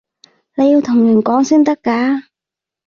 你要同人講先得㗎